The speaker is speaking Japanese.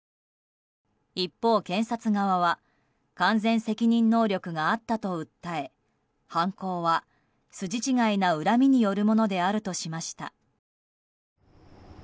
一方、検察側は完全責任能力があったと訴え犯行は筋違いな恨みによるものであるとしました。